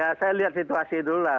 ya saya lihat situasi dulu lah